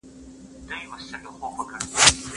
موږ د خپل هیواد د ګټو ساتنه کوو.